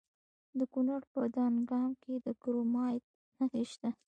د کونړ په دانګام کې د کرومایټ نښې شته.